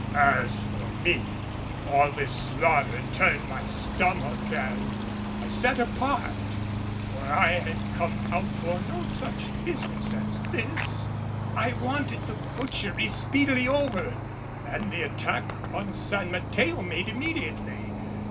As for me, all this slaughter turned my stomach and I sat apart, for I had come out for no such business as this; I wanted the butchery speedily over, and the attack on San Mateo made immediately.